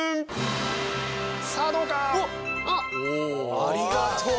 ありがとう！